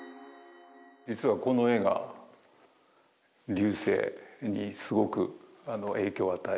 実はこの絵が劉生にすごく影響を与えた絵です。